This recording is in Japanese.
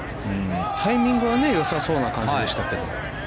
タイミングは良さそうな感じでしたけど。